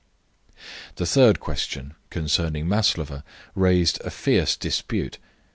The third question, concerning Maslova, raised a fierce dispute.